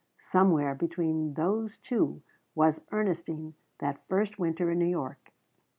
Somewhere between those two was Ernestine that first winter in New York.